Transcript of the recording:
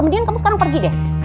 kemudian kamu sekarang pergi deh